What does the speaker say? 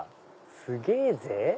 すげぇぜ」。